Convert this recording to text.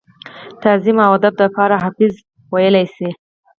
تعظيم او ادب دپاره حافظ وئيلی شي ۔